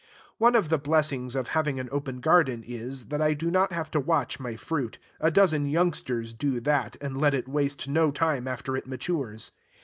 One of the blessings of having an open garden is, that I do not have to watch my fruit: a dozen youngsters do that, and let it waste no time after it matures.